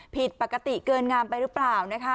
ผิดปกติเกินงามไปหรือเปล่านะคะ